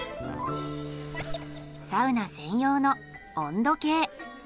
サウナ専用の温度計。